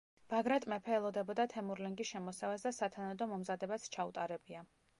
ბაგრატ მეფე ელოდებოდა თემურლენგის შემოსევას და სათანადო მომზადებაც ჩაუტარებია.